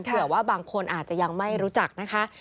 เผื่อว่าบางคนอาจจะยังไม่รู้จักนะคะ